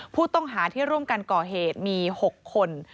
ผู้ต้องหาที่ร่วมกันก่อเหตุมี๖คน